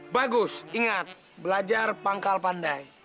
bagus ingat belajar pangkal pandai